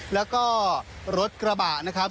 แล้วก็รถกระบะนะครับ